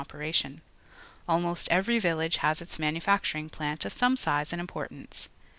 operation] Slmost every village has its manufacturing plant of some size and importance.